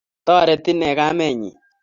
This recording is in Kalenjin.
Toreti inne kamenyi